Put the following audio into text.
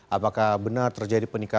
apakah benar terjadi penyelidikan